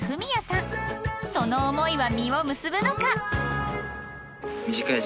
その思いは実を結ぶのか？